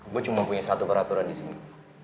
gue cuma punya satu peraturan di sini